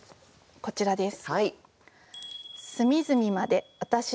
こちらです。